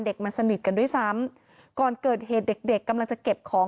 มันสนิทกันด้วยซ้ำก่อนเกิดเหตุเด็กเด็กกำลังจะเก็บของ